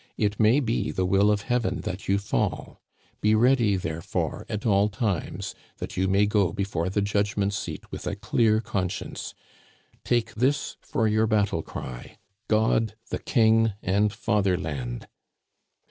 It may be the will of Heaven that you fall. Be ready, therefore, at all times, that you may go before the judgment seat with a clear conscience. Take this for your battle cry —* God, the King, and Fatherland